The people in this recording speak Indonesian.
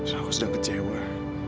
dan aku sedang kecewa